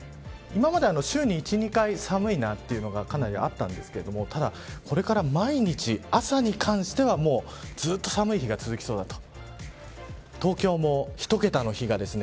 今まで週に１、２回寒いなというのがかなりあったんですけどただ、これから毎日朝に関してはずっと寒い日が続きそうだと。